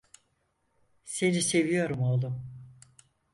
Seni seviyorum oğlum.